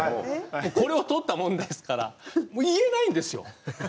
これを撮ったもんですからもう言えないんですよ。